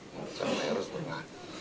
saya sama eros pernah